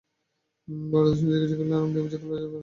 বরদাসুন্দরী জিজ্ঞাসা করিলেন, আপনি বুঝি কলেজে পড়ছেন?